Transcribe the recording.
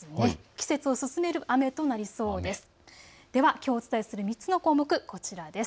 季節を進める雨となりそうです。